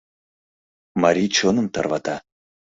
Марий чоным тарвата.